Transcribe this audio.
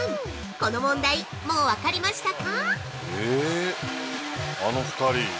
この問題、もうわかりましたか？